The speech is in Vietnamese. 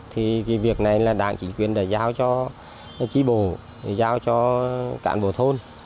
thì cái việc này là đảng chính quyền đã giao cho trí bồ giao cho cản bộ thôn